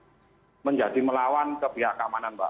itu yang menimbulkan aremanya menjadi melawan ke pihak keamanan mbak